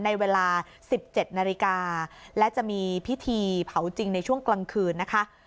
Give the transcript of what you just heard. ในเวลา๑๗นาฬิกาและจะมีพิธีเผาจริงในช่วงกลางคืนนะคะ